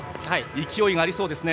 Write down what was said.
勢いがありそうですね。